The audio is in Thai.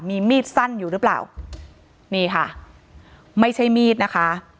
มีมีดสั้นอยู่หรือเปล่านี่ค่ะไม่ใช่มีดนะคะ